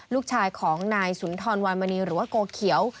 ลูกชายของนายสุนทรวานมณีหรือว่าโกเขียว